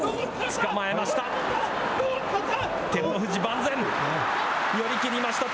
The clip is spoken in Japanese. つかまえました。